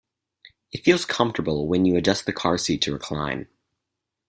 It feels comfortable when you adjust the car seat to recline.